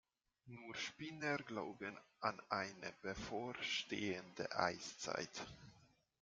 Nur Spinner glauben an eine bevorstehende Eiszeit.